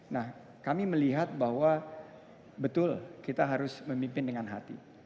nah kami melihat bahwa betul kita harus memimpin dengan hati